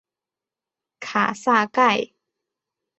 卡萨盖。